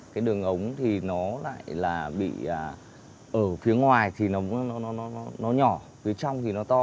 cái đường ống thì nó lại là bị ở phía ngoài thì nó nhỏ từ trong thì nó to